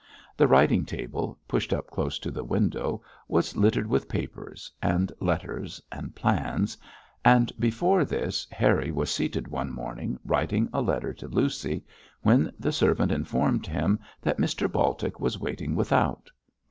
The writing table, pushed up close to the window, was littered with papers, and letters and plans, and before this Harry was seated one morning writing a letter to Lucy, when the servant informed him that Mr Baltic was waiting without.